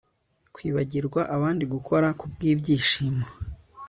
kwibagirwa abandi, gukora kubwibyishimo